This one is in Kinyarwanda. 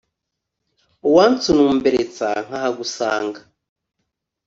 uwansunumberstsa nk’ahagusanga,